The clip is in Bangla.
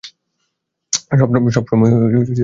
সবসময় গরম থাকি।